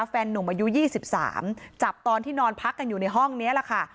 แฟนหนุ่มอายุยี่สิบสามจับตอนที่นอนพักกันอยู่ในห้องเนี้ยแหละค่ะ